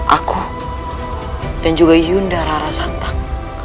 aku dan juga yunda rara santak